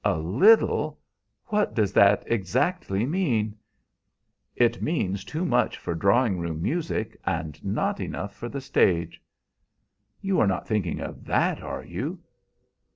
"A little! What does that exactly mean?" "It means too much for drawing room music, and not enough for the stage." "You are not thinking of that, are you?"